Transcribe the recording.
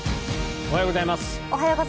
おはようございます。